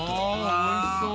あおいしそう！